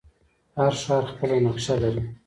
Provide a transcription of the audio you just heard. هر ښار خپله نقشه لري.